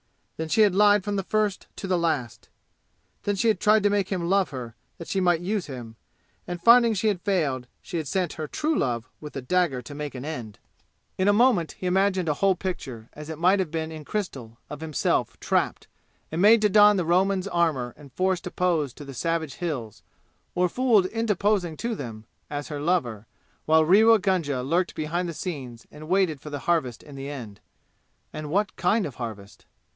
Then she had lied from first to last! Then she had tried to make him love her that she might use him, and finding she had failed, she had sent her true love with the dagger to make an end! In a moment he imagined a whole picture, as it might have been in a crystal, of himself trapped and made to don the Roman's armor and forced to pose to the savage 'Hills' or fooled into posing to them as her lover, while Rewa Gunga lurked behind the scenes and waited for the harvest in the end. And what kind of harvest?